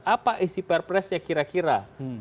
apa isi perpresnya kira kira